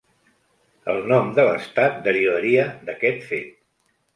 El nom de l'estat derivaria d'aquest fet.